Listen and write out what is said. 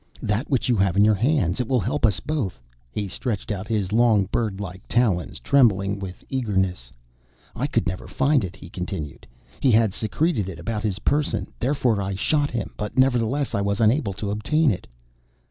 "That which you have in your hands. It will help us both." He stretched out his long, bird like talons, trembling with eagerness. "I could never find it," he continued. "He had secreted it about his person. Therefore I shot him, but nevertheless I was unable to obtain it."